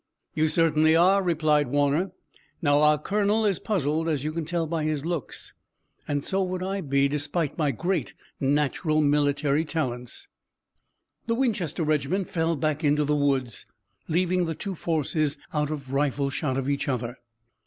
"You certainly are," replied Warner. "Now, our colonel is puzzled, as you can tell by his looks, and so would I be, despite my great natural military talents." The Winchester regiment fell back into the woods, leaving the two forces out of rifle shot of each other.